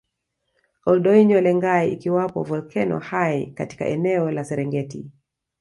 Ol Doinyo Lengai ikiwapo volkeno hai katika eneo la Serengeti